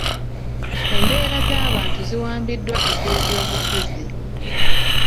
Embeera z'abantu ziwambiddwa ez'ebyobufuzi.